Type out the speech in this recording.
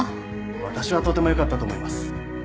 私はとてもよかったと思います。